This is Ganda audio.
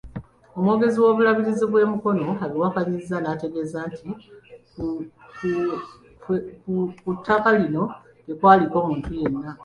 Omwogezi w'Obulabirizi bw'e Mukono abiwakanyizza n'ategeeza nti ku ettaka lino tekwaliko muntu yenna.